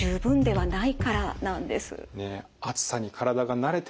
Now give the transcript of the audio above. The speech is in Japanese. はい。